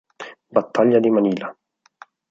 Battaglia di Manila